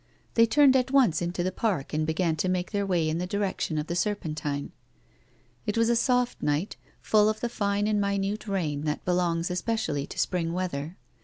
They turned at once into the Park and began to make their way in the direction of the Serpentine. It was a soft night, full of the fine and minute rain that belongs especially to spring weather.